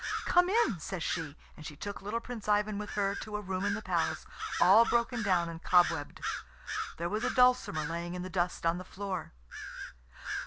"Come in," says she, and she took little Prince Ivan with her to a room in the palace, all broken down and cobwebbed. There was a dulcimer lying in the dust on the floor.